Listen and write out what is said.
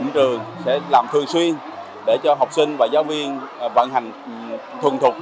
trường sẽ làm thường xuyên để cho học sinh và giáo viên vận hành thuần thuộc